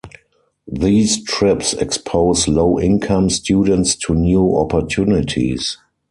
These trips expose low-income students to new opportunities.